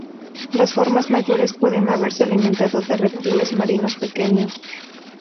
Las formas mayores pueden haberse alimentado de reptiles marinos pequeños.